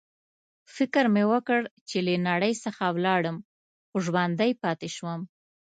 فکر مې وکړ چې له نړۍ څخه ولاړم، خو ژوندی پاتې شوم.